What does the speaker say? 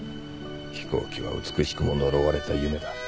飛行機は美しくも呪われた夢だ。